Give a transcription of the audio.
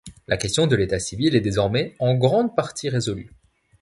La question de l'état-civil est désormais en grande partie résolue.